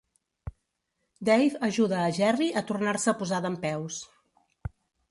Dave ajuda a Jerry a tornar-se a posar dempeus.